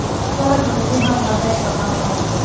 سوله د ملي همغږۍ سبب ګرځي.